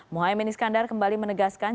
muhaymin iskandar kembali menegaskan